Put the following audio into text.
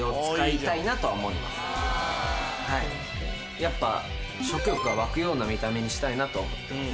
やっぱ食欲が湧くような見た目にしたいなとは思ってます。